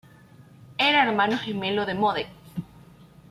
Era hermano gemelo de Modest.